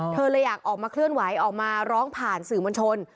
เธอเลยอยากออกมาเคลื่อนไหวออกมาร้องผ่านสื่อมวลชน